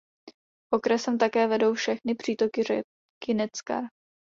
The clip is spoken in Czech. Okresem také vedou všechny přítoky řeky Neckar.